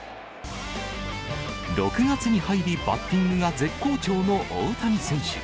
６月に入り、バッティングが絶好調の大谷選手。